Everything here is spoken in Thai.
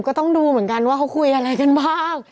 ก็ต้องดูเหมือนกันว่าเขาคุยอะไรกันบ้าง